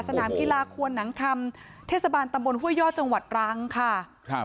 สนามกีฬาควนหนังคำเทศบาลตำบลห้วยย่อจังหวัดรังค่ะครับ